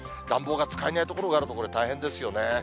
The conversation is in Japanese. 暖房が使えない所があるところで、大変ですよね。